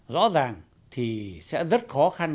rõ ràng thì sẽ rất khó khăn